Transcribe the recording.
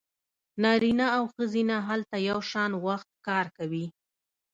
نارینه او ښځینه هلته یو شان وخت کار کوي